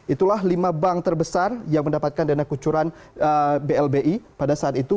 itulah lima bank terbesar yang mendapatkan dana kucuran blbi pada saat itu